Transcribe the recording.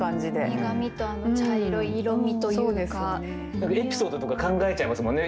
何かエピソードとか考えちゃいますもんね